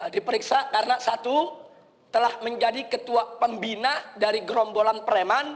diperiksa karena satu telah menjadi ketua pembina dari gerombolan preman